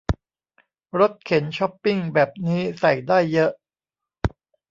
รถเข็นช้อปปิ้งแบบนี้ใส่ได้เยอะ